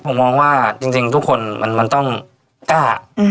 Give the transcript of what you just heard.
ผมมองว่าจริงทุกคนมันต้องกล้า